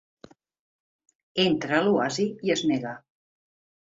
Entra a l'oasi i es nega.